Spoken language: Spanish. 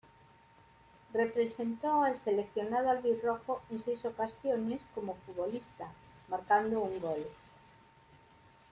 Representó al seleccionado "albirrojo" en seis ocasiones como futbolista, marcando un gol.